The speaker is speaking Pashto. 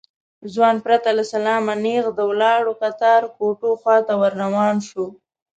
ځوان پرته له سلامه نېغ د ولاړو کتار کوټو خواته ور روان شو.